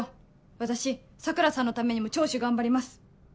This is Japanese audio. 私桜さんのためにも聴取頑張ります。